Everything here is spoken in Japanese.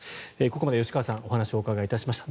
ここまで吉川さんにお話を伺いました。